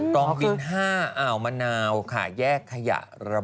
ต้องกินห้าอ่าวมะนาวขายแยกขยะระบบ